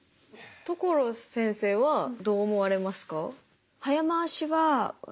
所先生はどう思われますか？